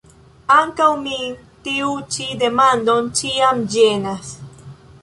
Ankaŭ min tiu ĉi demando ĉiam ĝenas.